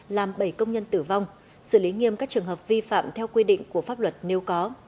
làm bảy công nhân tử vong xử lý nghiêm các trường hợp vi phạm theo quy định của pháp luật nếu có